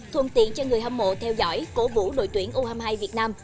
thuần tiện cho người hâm mộ theo dõi cố vũ đội tuyển u hai mươi hai việt nam